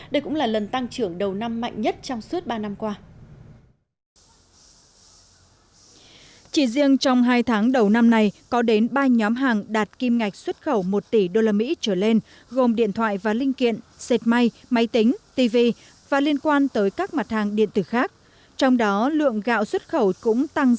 đây cũng là lần tăng trưởng đầu năm mạnh nhất trong suốt ba năm